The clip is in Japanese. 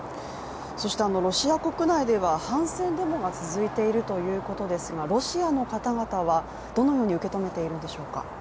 ロシア国内では反戦デモが続いているということですが、ロシアの方々はどのように受け止めているんでしょうか？